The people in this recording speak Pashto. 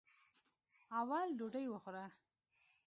اول ډوډۍ وخوره.